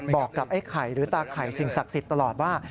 บอกกับไอ้ไข่หรือตาไข่สิ่งศักดิ์สิทธิ์ตลอดว่า